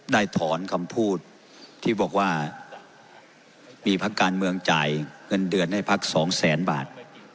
ได้ถอนคำพูดที่บอกว่ามีพักการเมืองจ่ายเงินเดือนให้พักสองแสนบาท